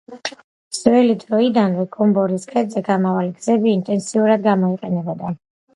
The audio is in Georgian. ძველი დროიდანვე გომბორის ქედზე გამავალი გზები ინტენსიურად გამოიყენებოდა.